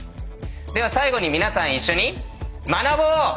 では最後に皆さん一緒に学ぼう！